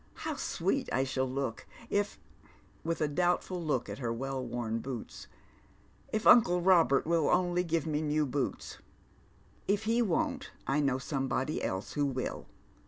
How sweet I shall look, if —" with a doubtful look at her well worn boots —" if uncle Eobert will only give me new boots." " If be won't, I know somebody else who will.